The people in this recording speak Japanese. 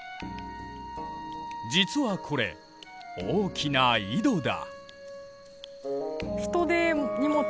実はこれ大きな井戸だ。